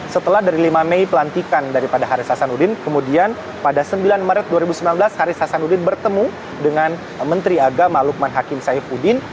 setelah dari lima mei pelantikan daripada haris hasan udin kemudian pada sembilan maret dua ribu sembilan belas haris hasan udin bertemu dengan menteri agama lukman hakim saif udin